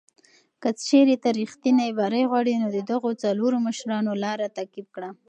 که چېرې ته ریښتینی بری غواړې، نو د دغو څلورو مشرانو لاره تعقیب کړه.